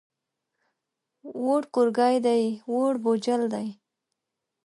ووړ کورګی دی، ووړ بوجل دی.